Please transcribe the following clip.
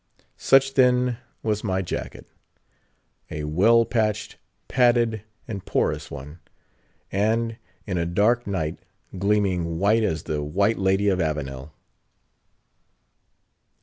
Such, then, was my jacket: a well patched, padded, and porous one; and in a dark night, gleaming white as the White Lady of Avenel!